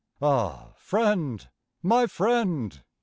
Ah, friend, my friend!